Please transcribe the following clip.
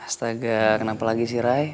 astaga kenapa lagi sih ray